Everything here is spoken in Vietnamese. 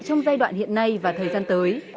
trong giai đoạn hiện nay và thời gian tới